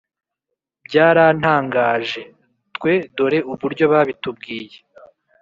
byarantangaje! twe dore uburyo babitubwiye :